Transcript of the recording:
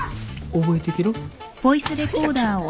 覚えてけろ。